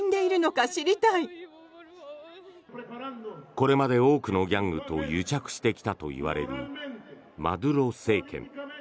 これまで多くのギャングと癒着してきたといわれるマドゥロ政権。